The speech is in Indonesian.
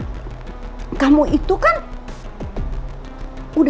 orang yang tersenyum